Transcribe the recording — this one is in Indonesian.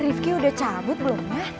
ripki udah cabut belum ya